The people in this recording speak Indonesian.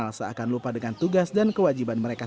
jadi ibu meneruskan merawat